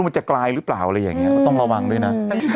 มือแห้งเยอะนะ